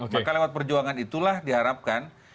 maka lewat perjuangan itulah diharapkan